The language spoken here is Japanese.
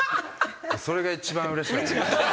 それが一番うれしかったですね。